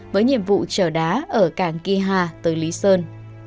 với nhiệm vụ trở đá ở cảng kia hà tới lý sơn